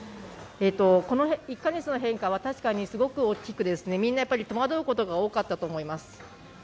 この１か月の変化はすごく大きくみんな戸惑うことが多かったと思います。